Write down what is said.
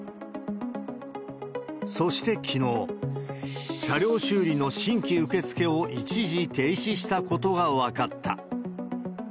そして、きのう、車両修理の新規受け付けを一時停止したことが分かった。